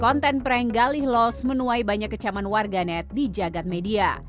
konten prank galih lost menuai banyak kecaman warga net di jagad media